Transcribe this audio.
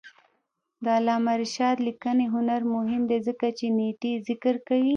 د علامه رشاد لیکنی هنر مهم دی ځکه چې نېټې ذکر کوي.